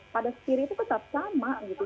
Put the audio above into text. pada spiri itu tetap sama gitu